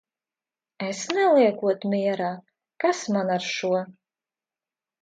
Es neliekot mierā? Kas man ar šo!